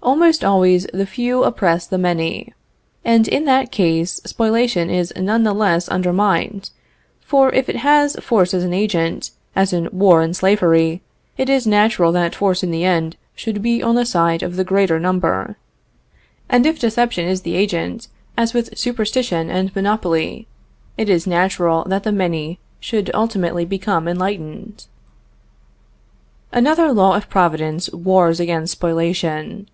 Almost always the few oppress the many, and in that case spoliation is none the less undermined, for, if it has force as an agent, as in war and slavery, it is natural that force in the end should be on the side of the greater number. And if deception is the agent, as with superstition and monopoly, it is natural that the many should ultimately become enlightened. Another law of Providence wars against spoliation.